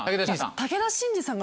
武田真治さんが。